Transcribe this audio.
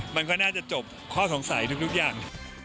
มันก็น่าจะจบข้อสงสัยทุกอย่าง